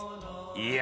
「いや」